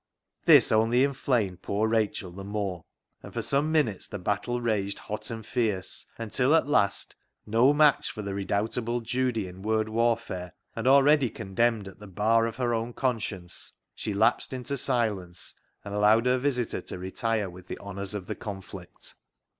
This only inflamed poor Rachel the more ; and for some minutes the battle raged hot and fierce, until at last, no match for the redoubt able Judy in word warfare, and already con demned at the bar of her own conscience, she lapsed into silence, and allowed her visitor to retire with the honours of the conflict.